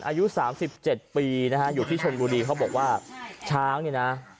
อายุสามสิบเจ็ดปีนะฮะอยู่ที่ชนบุรีเขาบอกว่าช้างเนี่ยนะ